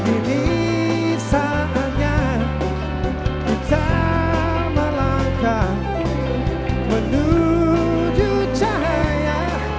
ini saatnya kita melangkah menuju cahaya